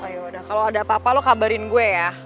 oh yaudah kalau ada apa apa lo kabarin gue ya